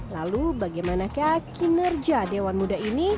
lalu bagaimanakah kinerja dewan muda ini